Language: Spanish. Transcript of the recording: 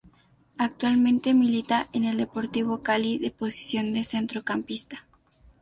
Actualmente milita en el Deportivo Cali de posición de Centrocampista.